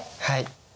はい。